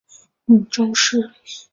母邹氏。